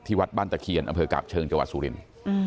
วัดบ้านตะเคียนอำเภอกาบเชิงจังหวัดสุรินทร์